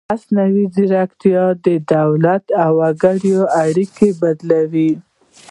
مصنوعي ځیرکتیا د دولت او وګړي اړیکه بدلوي.